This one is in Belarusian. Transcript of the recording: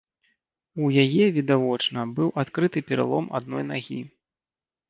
У яе, відавочна, быў адкрыты пералом адной нагі.